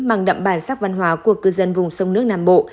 mang đậm bản sắc văn hóa của cư dân vùng sông nước nam bộ